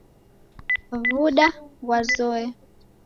W'uda ghwazoya